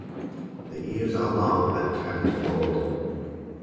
The ears are long and carried forward.